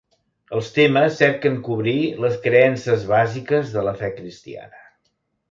Els temes cerquen cobrir les creences bàsiques de la fe cristiana.